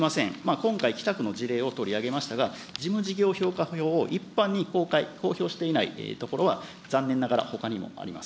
今回、北区の事例を取り上げましたが、事務事業評価票を一般に公開、公表していない所は残念ながらほかにもあります。